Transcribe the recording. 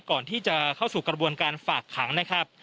ก่อนที่จะเข้าสู่กระบวนการฝากขังนะครับ